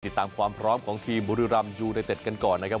ติดตามความพร้อมของทีมบุรีรำยูไนเต็ดกันก่อนนะครับ